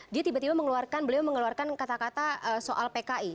dia tiba tiba mengeluarkan beliau mengeluarkan kata kata soal pki